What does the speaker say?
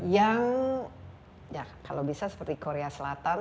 yang ya kalau bisa seperti korea selatan